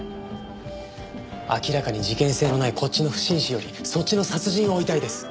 明らかに事件性のないこっちの不審死よりそっちの殺人を追いたいです。